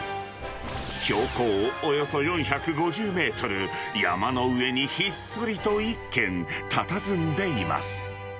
標高およそ４５０メートル、山の上にひっそりと一軒たたずんでいます。